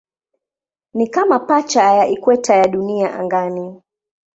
Ni kama pacha ya ikweta ya Dunia angani.